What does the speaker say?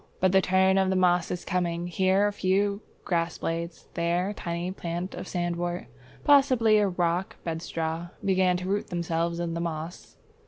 But the turn of the moss is coming. Here a few grass blades, there a tiny plant of Sandwort, possibly a Rock Bedstraw, begin to root themselves in the moss.